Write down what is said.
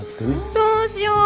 どうしよう！